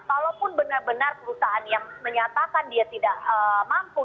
kalaupun benar benar perusahaan yang menyatakan dia tidak mampu